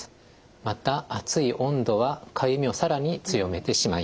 また熱い温度はかゆみを更に強めてしまいます。